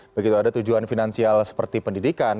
begitu ada tujuan finansial seperti pendidikan